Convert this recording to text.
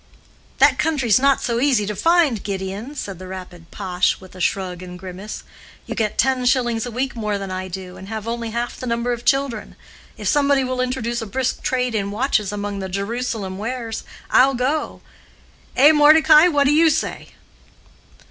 '" "That country's not so easy to find, Gideon," said the rapid Pash, with a shrug and grimace. "You get ten shillings a week more than I do, and have only half the number of children. If somebody will introduce a brisk trade in watches among the 'Jerusalem wares,' I'll go—eh, Mordecai, what do you say?"